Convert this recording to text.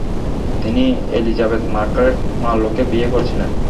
তিনি Elizabeth Margaret মার্লোকে বিয়ে করেছিলেন।